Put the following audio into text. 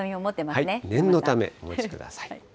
念のためお持ちください。